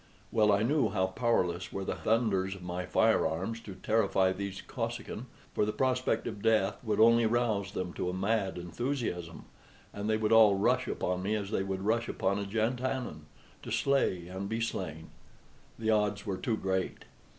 Well I knew how powerless were the thunders of my fire arms to terrify these Kosekin; for the prospect of death would only rouse them to a mad enthusiasm, and they would all rush upon me as they would rush upon a jantannin to slay and be slain. The odds were too great.